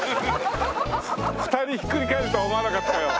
２人ひっくり返るとは思わなかったよ。